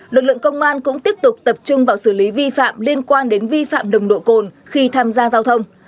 lực lượng công an cũng tiếp tục tập trung vào xử lý vi phạm liên quan đến vi phạm nồng độ cồn khi tham gia giao thông